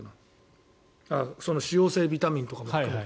脂溶性ビタミンとか含めて。